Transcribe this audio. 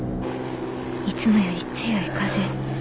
いつもより強い風。